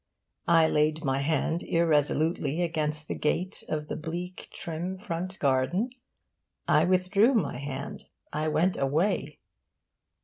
I laid my hand irresolutely against the gate of the bleak trim front garden, I withdrew my hand, I went away.